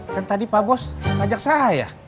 kan tadi pak bos ngajak saya